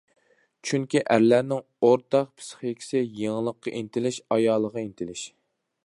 چۈنكى ئەرلەرنىڭ ئورتاق پىسخىكىسى-يېڭىلىققا ئىنتىلىش، ئايالغا ئىنتىلىش.